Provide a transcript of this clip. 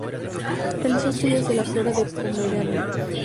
Realizó estudios de la flora de Pomerania.